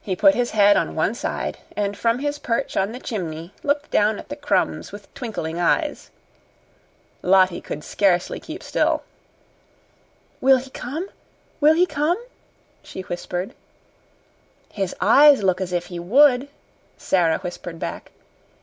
He put his head on one side, and from his perch on the chimney looked down at the crumbs with twinkling eyes. Lottie could scarcely keep still. "Will he come? Will he come?" she whispered. "His eyes look as if he would," Sara whispered back.